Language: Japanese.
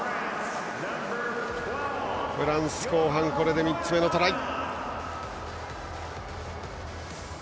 フランス、後半これで３つ目のトライ！